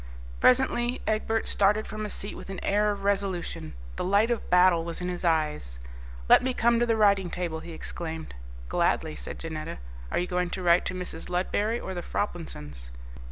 Presently Egbert started from his seat with an air of resolution. The light of battle was in his eyes. "Let me come to the writing table," he exclaimed. "Gladly," said Janetta. "Are you going to write to Mrs. Ludberry or the Froplinsons?"